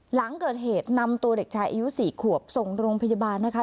หลังเกิดเหตุนำตัวเด็กชายอายุ๔ขวบส่งโรงพยาบาลนะคะ